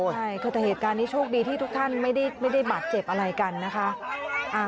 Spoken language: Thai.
ใช่คือแต่เหตุการณ์นี้โชคดีที่ทุกท่านไม่ได้บาดเจ็บอะไรกันนะคะ